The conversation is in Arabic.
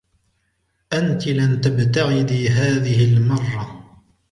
أنتِ لن تبتعدي هذة المرة.